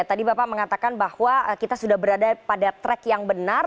tadi bapak mengatakan bahwa kita sudah berada pada track yang benar